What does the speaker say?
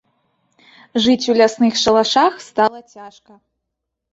Жыць у лясных шалашах стала цяжка.